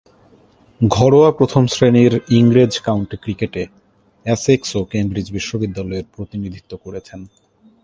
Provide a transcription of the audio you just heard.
ঘরোয়া প্রথম-শ্রেণীর ইংরেজ কাউন্টি ক্রিকেটে এসেক্স ও কেমব্রিজ বিশ্ববিদ্যালয়ের প্রতিনিধিত্ব করেছেন।